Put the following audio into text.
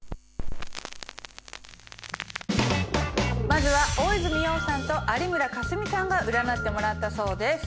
まずは大泉洋さんと有村架純さんが占ってもらったそうです。